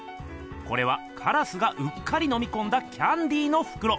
これはカラスがうっかりのみこんだキャンディーのふくろ。